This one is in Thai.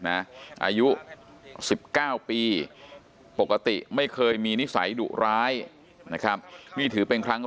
อายุ๑๙ปีปกติไม่เคยมีนิสัยดุร้ายนะครับนี่ถือเป็นครั้ง